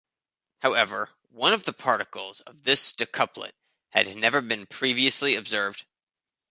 However, one of the particles of this decuplet had never been previously observed.